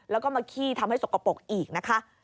แล้วก็มาขี้ทำให้สกปรกอีกนะคะ